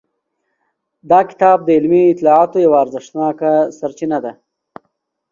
دا کتاب د علمي اطلاعاتو یوه ارزښتناکه سرچینه ده.